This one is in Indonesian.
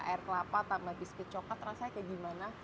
air kelapa tambah biskuit coklat rasanya kayak gimana